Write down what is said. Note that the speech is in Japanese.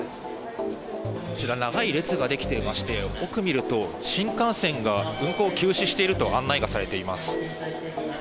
長い列ができていまして奥を見ると新幹線が運行休止していると案内がされています。